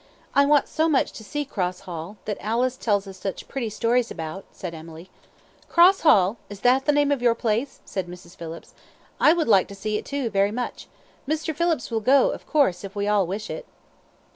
"I want so much to see Cross Hall, that Alice tells us such pretty stories about," said Emily. "Cross Hall! is that the name of your place?" said Mrs. Phillips. "I would like to see it too, very much. Mr. Phillips will go, of course, if we all wish it."